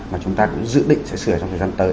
mà chúng ta cũng dự định sẽ sửa trong thời gian tới